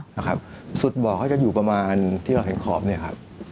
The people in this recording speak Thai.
นะครับสุดบ่อเขาจะอยู่ประมาณที่เราเห็นขอบเนี่ยครับ